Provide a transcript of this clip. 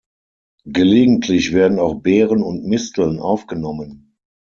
Gelegentlich werden auch Beeren und Misteln aufgenommen.